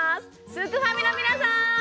すくファミの皆さん！